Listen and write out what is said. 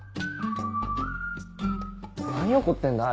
何怒ってんだ？